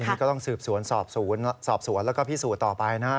อันนี้ก็ต้องสืบสวนสอบสวนแล้วก็พิสูจน์ต่อไปนะฮะ